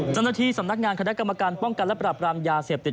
เจ้าหน้าที่สำนักงานคณะกรรมการป้องกันและปรับรามยาเสพติด